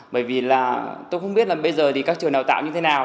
bởi vì là tôi không biết là bây giờ thì các trường đào tạo như thế nào